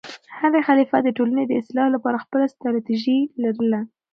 هر خلیفه د ټولنې د اصلاح لپاره خپله ستراتیژي لرله.